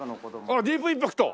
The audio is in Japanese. あらディープインパクト！